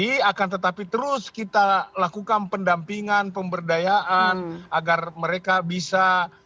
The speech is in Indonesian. ini akan tetapi terus kita lakukan pendampingan pemberdayaan agar mereka bisa